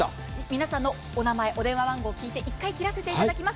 皆様のお名前、お電話番号を聞いて、１回お切りいたします。